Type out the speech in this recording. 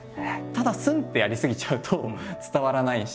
ただスンってやり過ぎちゃうと伝わらないし。